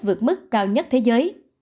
vượt mức cao nhất thế giới